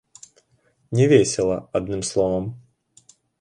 Не весела, адным словам.